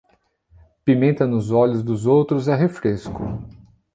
Pimenta nos olhos dos outros é refresco